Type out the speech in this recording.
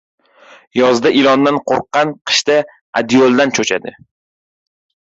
• Yozda ilondan qo‘rqqan qishda adyoldan cho‘chadi.